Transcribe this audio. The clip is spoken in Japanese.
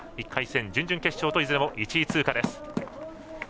１回戦、準々決勝といずれも１位通過です。